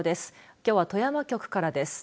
きょうは富山局からです。